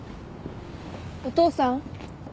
・お父さん。